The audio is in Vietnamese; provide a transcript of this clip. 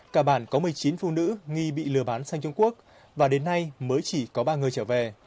cả bản có một mươi chín phụ nữ nghi bị lừa bán sang trung quốc và đến nay mới chỉ có ba người trở về